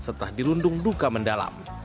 setelah dirundung duka mendalam